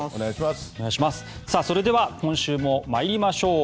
それでは今週も参りましょう。